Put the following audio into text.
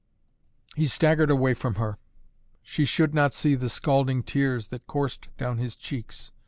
He staggered away from her. She should not see the scalding tears that coursed down his cheeks.